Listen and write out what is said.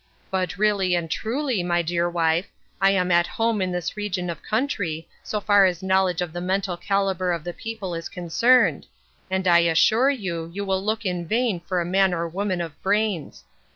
But really and truly, my dear wife, I am at home in this region of country, so far as knowledge of the mental cali ber of the people is concerned, and I assure you you will look in vain for a man or woman of 400 Ruth Erskine's Crosses. brains.